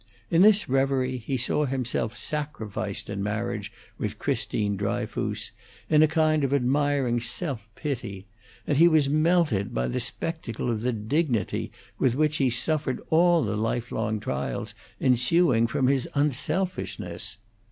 In this reverie he saw himself sacrificed in marriage with Christine Dryfoos, in a kind of admiring self pity, and he was melted by the spectacle of the dignity with which he suffered all the lifelong trials ensuing from his unselfishness.